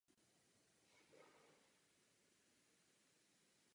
Kůže byla důležitým obchodním artiklem zejména v období Říma.